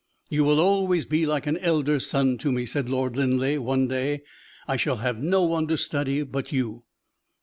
"You will always be like an elder son to me," said Lord Linleigh one day. "I shall have no one to study but you."